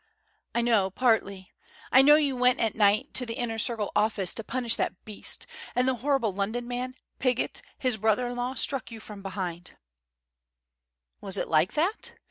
"I know partly. I know you went at night to the Inner Circle office to punish that Beast. And the horrible London man, Piggott his brother in law struck you from behind " "Was it like that?